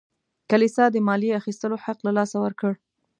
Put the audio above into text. کلیسا د مالیې اخیستلو حق له لاسه ورکړ.